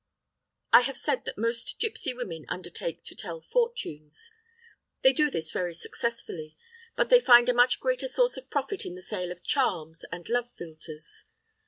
I have said that most gipsy women undertake to tell fortunes. They do this very successfully. But they find a much greater source of profit in the sale of charms and love philters.